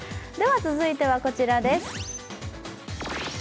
続いては、こちらです。